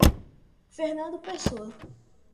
Fernando Pessoa